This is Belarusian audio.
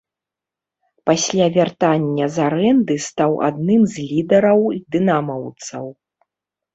Пасля вяртання з арэнды стаў адным з лідараў дынамаўцаў.